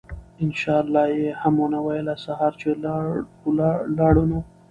إن شاء الله ئي هم ونه ويله!! سهار چې لاړو نو